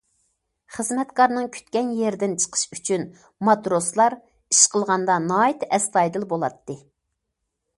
خىزمەتكارنىڭ كۈتكەن يېرىدىن چىقىش ئۈچۈن ماتروسلار ئىش قىلغاندا ناھايىتى ئەستايىدىل بولاتتى.